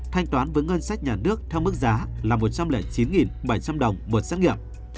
thanh toán với ngân sách nhà nước theo mức giá là một trăm linh chín bảy trăm linh đồng một xét nghiệm